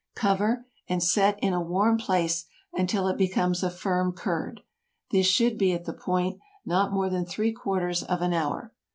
Cover, and set in a warm place until it becomes a firm curd; this should be, at the most, not more than three quarters of an hour.